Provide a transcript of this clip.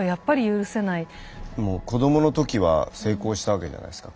でも子どもの時は成功したわけじゃないですか。